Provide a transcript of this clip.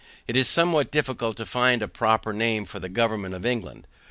It is somewhat difficult to find a proper name for the government of England.